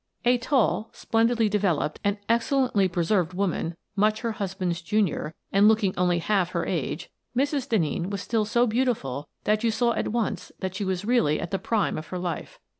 A tall, splendidly developed, and excellently pre served woman, much her husband's junior, and looking only half her age, Mrs. Denneen was still so beautiful that you saw at once that she was really at the prime of her life.